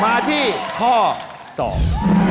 มาที่ข้อสอง